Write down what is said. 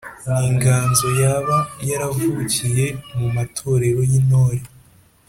ni inganzo yaba yaravukiye mu matorero y’intore